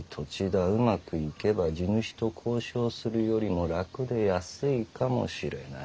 うまくいけば地主と交渉するよりも楽で安いかもしれない」。